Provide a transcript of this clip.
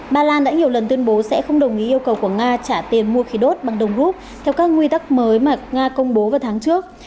ba lan đã nhiều lần tuyên bố sẽ không đồng ý yêu cầu của nga trả tiền mua khí đốt bằng đồng rút theo các nguyên tắc mới mà nga công bố vào tháng trước